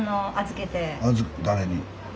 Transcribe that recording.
誰に？